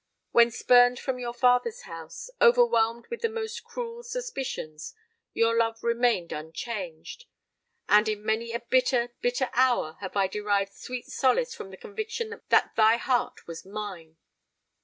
When spurned from your father's house—overwhelmed with the most cruel suspicions, your love remained unchanged; and in many a bitter, bitter hour, have I derived sweet solace from the conviction that thy heart was mine!